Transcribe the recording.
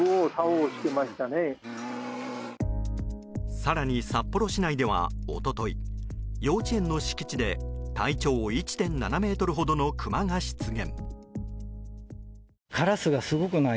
更に、札幌市内では一昨日幼稚園の敷地で体長１．７ｍほどのクマが出現。